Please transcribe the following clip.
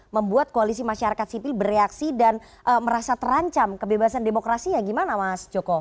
membuat koalisi masyarakat sipil bereaksi dan merasa terancam kebebasan demokrasi ya gimana mas joko